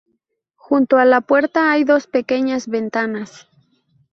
Junto a la puerta hay dos pequeñas ventanas.